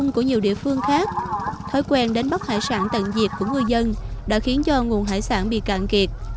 tình hình của nhiều địa phương khác thói quen đến bắc hải sản tận diệt của ngư dân đã khiến cho nguồn hải sản bị cạn kiệt